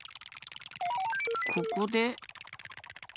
ここで？